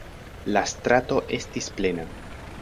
La strato estis plena.